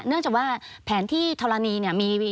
เนื่องจากว่าแผนที่ธรณีเนี่ย